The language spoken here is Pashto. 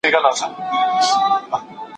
د خوراکي توکو کیفیت څارل کیده.